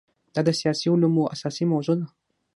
دا د سیاسي علومو اساسي موضوع ده.